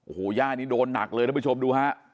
โอ้โหย่านี่โดนหนักเลยท่านผู้ชมดูฮะ